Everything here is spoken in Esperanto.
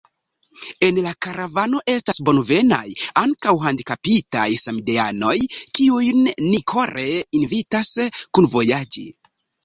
En la karavano estas bonvenaj ankaŭ handikapitaj samideanoj, kiujn ni kore invitas kunvojaĝi.